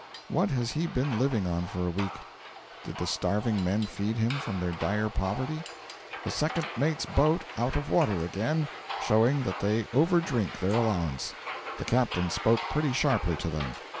What has he been living on for a week? Did the starving men feed him from their dire poverty? 'The second mate's boat out of water again, showing that they over drink their allowance. The captain spoke pretty sharply to them.'